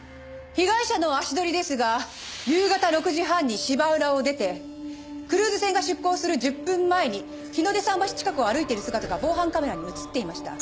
被害者の足取りですが夕方６時半に芝浦を出てクルーズ船が出航する１０分前に日の出桟橋近くを歩いている姿が防犯カメラに映っていました。